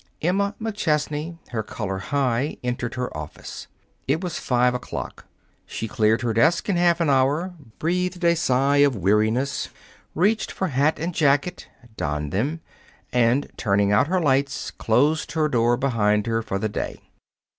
Emma McChesney, her color high, entered her office. It was five o'clock. She cleared her desk in half an hour, breathed a sigh of weariness, reached for hat and jacket, donned them, and, turning out her lights, closed her door behind her for the day.